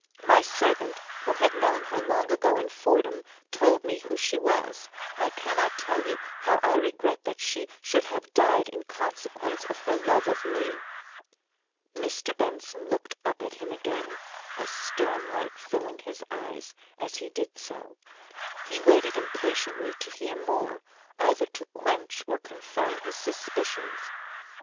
My servant, who had known her long ago, in Fordham, told me who she was. I cannot tell how I regret that she should have died in consequence of her love of me." Mr Benson looked up at him again, a stern light filling his eyes as he did so. He waited impatiently to hear more, either to quench or confirm his suspicions.